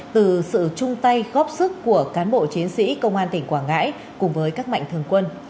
từ sự chung tay góp sức của cán bộ chiến sĩ công an tỉnh quảng ngãi cùng với các mạnh thường quân